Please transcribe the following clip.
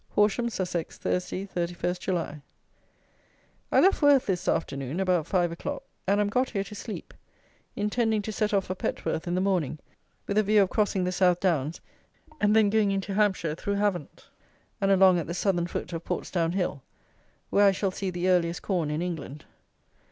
Horsham (Sussex), Thursday, 31 July. I left Worth this afternoon about 5 o'clock, and am got here to sleep, intending to set off for Petworth in the morning, with a view of crossing the South Downs and then going into Hampshire through Havant, and along at the southern foot of Portsdown Hill, where I shall see the earliest corn in England.